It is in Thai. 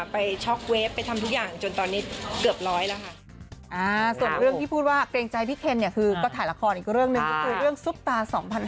ช็อกเวฟไปทำทุกอย่างจนตอนนี้เกือบร้อยแล้วค่ะ